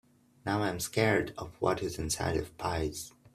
Now, I’m scared of what is inside of pies.